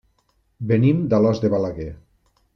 Venim d'Alòs de Balaguer.